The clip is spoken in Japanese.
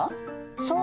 そう。